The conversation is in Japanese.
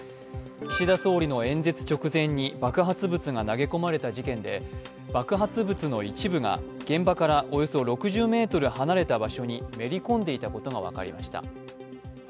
岸田総理の演説直前に爆発物が投げ込まれた事件で爆発物の一部が現場からおよそ６０ｍ離れた場所にめり込んでいたことが分かりました。